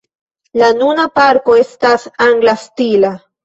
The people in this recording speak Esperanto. La nuna parko estas angla stila.